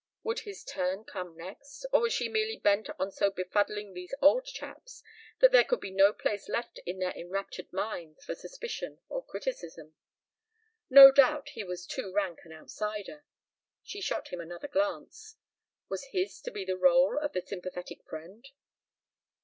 Would his turn come next, or was she merely bent on so befuddling these old chaps that there would be no place left in their enraptured minds for suspicion or criticism? No doubt he was too rank an outsider. ... She shot him another glance. ... Was his to be the rôle of the sympathetic friend?